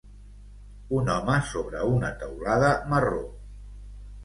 Un home sobre una teulada marró.